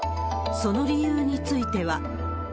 その理由については。